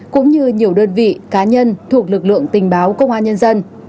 cũng như nhiều đơn vị cá nhân thuộc lực lượng tình báo công an nhân dân